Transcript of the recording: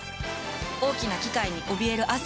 大きな機械におびえる亜生。